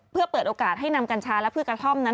เพื่อเปิดโอกาสให้นำกัญชาและพืชกระท่อมนั้น